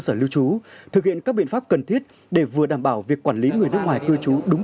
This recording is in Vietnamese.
sở lưu trú thực hiện các biện pháp cần thiết để vừa đảm bảo việc quản lý người nước ngoài cư trú đúng